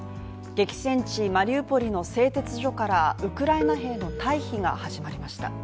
激戦地マリウポリの製鉄所からウクライナ兵の退避が始まりました。